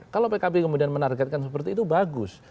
kalau pkb kemudian menargetkan seperti itu bagus